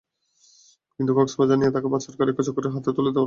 কিন্তু কক্সবাজার নিয়ে তাঁকে পাচারকারী চক্রের হাতে তুলে দেয় দালাল আছদ্দর আলী।